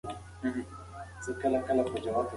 هغه وایي چې په خبرونو کې دقت مهم دی.